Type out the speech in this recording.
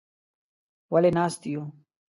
_ولې ناست يو؟